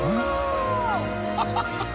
ハハハハ！